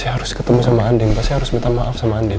saya harus ketemu sama andin pasti harus minta maaf sama andin